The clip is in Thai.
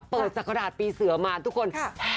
เปิดสักขวดหาดปีเสือมาทุกคน